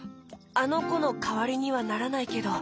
あのこのかわりにはならないけど。